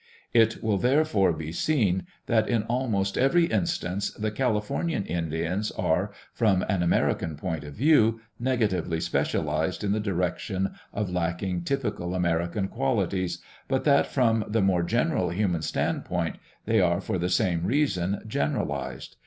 It will therefore be seen that in almost every instance the California Indians are, from an American point of view, negatively specialized in the direction of lacking typical American qualities, but that from the more general human standpoint they are for the same reason general ized.